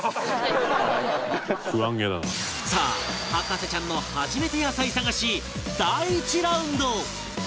さあ博士ちゃんの初めて野菜探し第１ラウンド